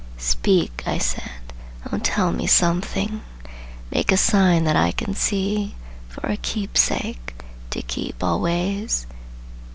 "Speak!" I said, "Oh, tell me something! Make a sign that I can see! For a keepsake! To keep always!